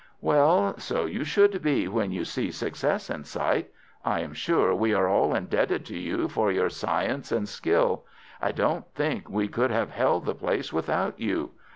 "Well, so you should be when you see success in sight. I am sure we are all indebted to you for your science and skill. I don't think we could have held the place without you.